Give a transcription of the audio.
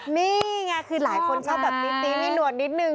นี่ไงคือหลายคนชอบแบบตีมีหนวดนิดนึง